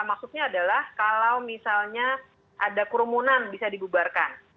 maksudnya adalah kalau misalnya ada kerumunan bisa dibubarkan